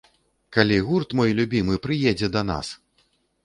Калі гурт мой любімы прыедзе да нас!!!